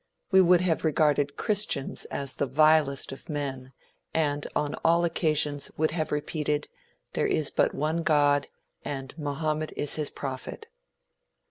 We would have regarded Christians as the vilest of men, and on all occasions would have repeated "There is but one God, and Mohammed is his prophet!"